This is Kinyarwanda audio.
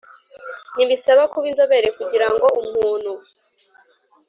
ntibisaba kuba inzobere kugira ngo umuntu